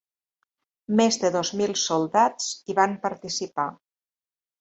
Més de dos mil soldats hi van participar.